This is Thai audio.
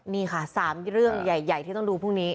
นี่ค่ะ๓เรื่องใหญ่ที่ต้องดูพรุ่งนี้